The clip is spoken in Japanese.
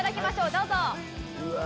どうぞ。